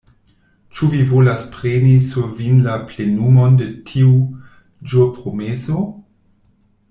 ĉu vi volas preni sur vin la plenumon de tiu ĵurpromeso?